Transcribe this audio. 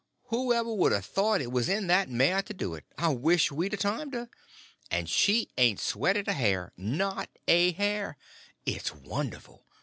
Whoever would a thought it was in that mare to do it? I wish we'd a timed her. And she hain't sweated a hair—not a hair. It's wonderful.